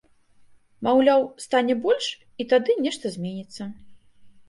Маўляў, стане больш, і тады нешта зменіцца.